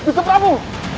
baik gusti prabu